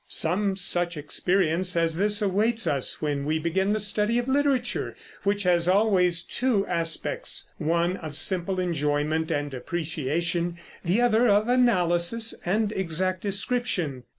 Some such experience as this awaits us when we begin the study of literature, which has always two aspects, one of simple enjoyment and appreciation, the other of analysis and exact description.